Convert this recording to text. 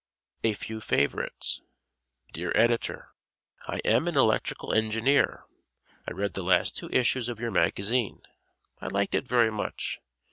A Few Favorites Dear Editor: I am an electrical engineer. I read the last two issues of your magazine. I liked it very much.